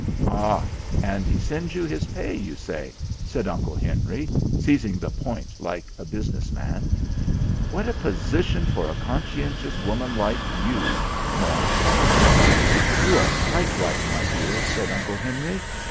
"Ah! and he sends you his pay, you say?" said Uncle Henry, seizing the point like a business man. "What a position for a conscientious woman like you!" mourned Aunt. "You are quite right, my dear," said Uncle Henry.